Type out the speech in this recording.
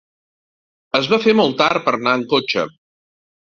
Es va fer molt tard per anar en cotxe.